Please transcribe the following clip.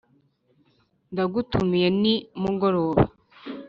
ndagutumiye ni mugoroba